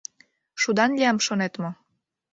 Шудан лиям, шонет мо?